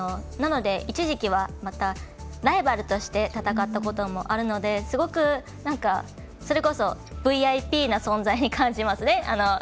一時期は、ライバルとして戦ったこともあるのですごく、それこそＶＩＰな存在に感じますね。